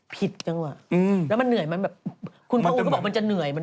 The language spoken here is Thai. ผิดจังหวะแล้วมันเหนื่อยมันแบบคุณครูก็บอกมันจะเหนื่อย